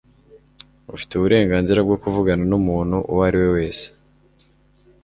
Ufite uburenganzira bwo kuvugana numuntu uwo ari we wese.